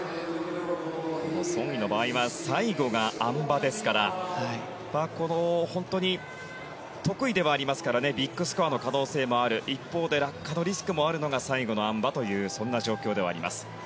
ソン・イの場合は最後があん馬ですから本当に得意ではありますからビッグスコアの可能性がある一方で落下のリスクもあるのが最後のあん馬というそんな状況ではあります。